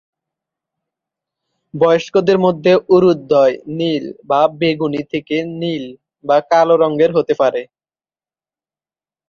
বয়স্কদের মধ্যে উরুদ্বয় নীল/বেগুনি থেকে নীল/কালো রঙের হতে পারে।